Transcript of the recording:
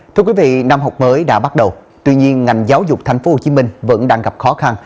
thưa quý vị năm học mới đã bắt đầu tuy nhiên ngành giáo dục tp hcm vẫn đang gặp khó khăn